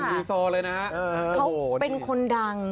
เขาเป็นคนดัง